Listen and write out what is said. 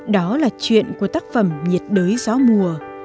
đó là chuyện của tác phẩm nhiệt đới gió mùa